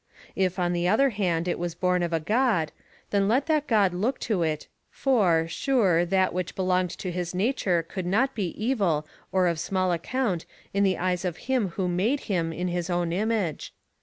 If on the other hand it was born of a God, then let that God look to it, for, sure, that which belonged to his nature could not be evil or of small account in the eyes of him who made him in his own image.